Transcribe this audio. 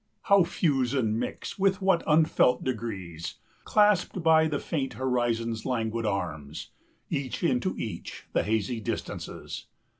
How fuse and mix, with what unfelt degrees, 15 Clasped by the faint horizon's languid arms, Each into each, the hazy distances!